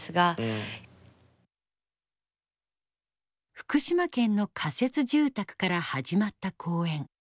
福島県の仮設住宅から始まった公演。